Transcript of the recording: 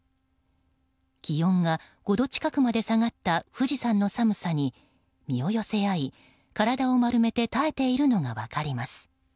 気温が５度近くまで下がった富士山の寒さに身を寄せ合い、体を丸めて耐えているのが分かります。